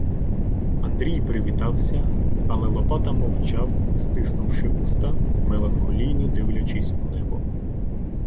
Андрій "привітався", але Лопата мовчав, стиснувши уста, меланхолійно дивлячись у небо.